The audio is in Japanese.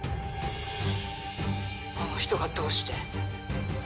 あの人がどうして？